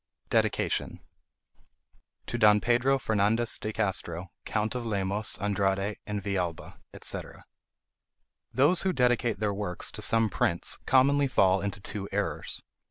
DEDICATION TO DON PEDRO FERNANDEZ DE CASTRO, COUNT OF LEMOS, ANDRADE, AND VILLALBA, &c. Those who dedicate their works to some prince commonly fall into two errors.